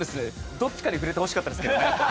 どっちかに振れてほしかったですけどね。